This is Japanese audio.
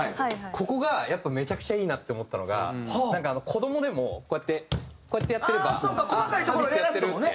ここがやっぱめちゃくちゃいいなって思ったのがなんか子どもでもこうやってこうやってやってれば「あっ『Ｈａｂｉｔ』やってる」って。